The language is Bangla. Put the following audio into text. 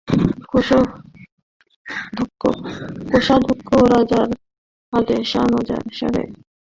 কোষাধ্যক্ষ রাজার আদেশানুসারে সমস্ত ফল আনয়ন করিল।